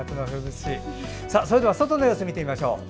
それでは外の様子を見てみましょう。